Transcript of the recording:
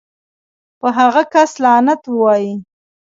پۀ هغه کس لعنت اووائې